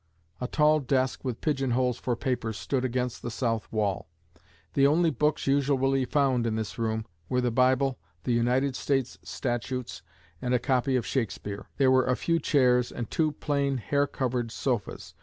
A tall desk with pigeon holes for papers stood against the south wall. The only books usually found in this room were the Bible, the United States Statutes, and a copy of Shakespeare. There were a few chairs and two plain hair covered sofas.